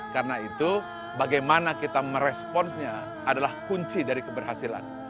karena itu bagaimana kita meresponnya adalah kunci dari keberhasilan